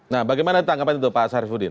nah bagaimana ditanggapan itu pak sarifudin